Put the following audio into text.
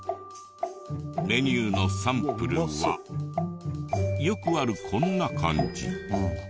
メニューのサンプルはよくあるこんな感じ。